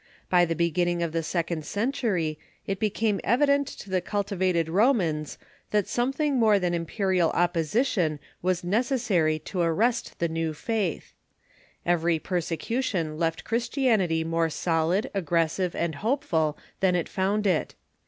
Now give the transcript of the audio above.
By Growth of ^i^g bejifinninof of the second century it became evi Christianity ==*' dent to the cultivated Romans that somethmg more than imperial opposition was necessary to arrest the new faith. Every persecution left Christianity more solid, aggressive, and hopeful than it found it.